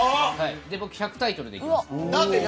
僕、１００タイトルでいきます。